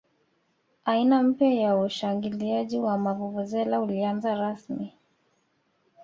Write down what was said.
aina mpya ya ushangiliaji wa mavuvuzela ulianza rasmi